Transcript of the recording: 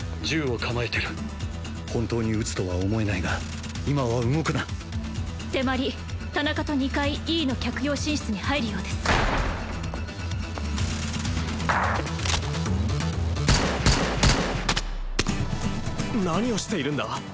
銃を構えてる本当に撃つとは思えないが今は動くな手毬田中と２階Ｅの客用寝室に入るようです何をしているんだ？